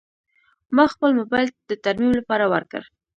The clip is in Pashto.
ما خپل موبایل د ترمیم لپاره ورکړ.